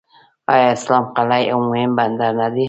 آیا اسلام قلعه یو مهم بندر نه دی؟